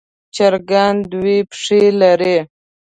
چرګان دوه پښې لري.